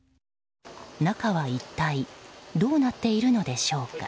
中は一体どうなっているのでしょうか。